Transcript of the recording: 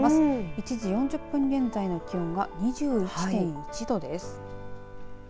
１時４０分現在の気温は２１．１度です。